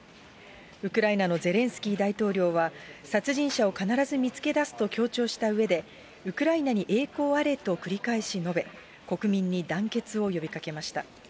ウクライナのゼレンスキー大統領は、殺人者を必ず見つけ出すと強調したうえで、ウクライナに栄光あれと繰り返し述べ、国民に団結を呼びかけました。